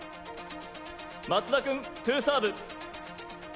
松田君トゥサーブ。